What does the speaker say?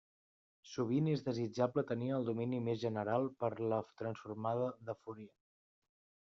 Sovint és desitjable tenir el domini més general per a la transformada de Fourier.